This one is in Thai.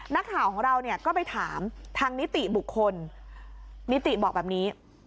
นักข่าวของเราเนี่ยก็ไปถามทางนิติบุคคลนิติบอกแบบนี้